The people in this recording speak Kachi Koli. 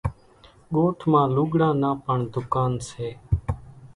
ڳوٺ مان لوُڳران نان پڻ ۮُڪانَ سي۔